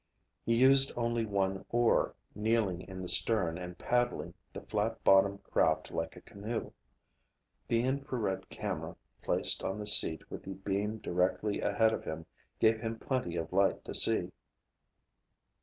He used only one oar, kneeling in the stern and paddling the flat bottomed craft like a canoe. The infrared camera, placed on the seat with the beam directed ahead of him, gave him plenty of light to see.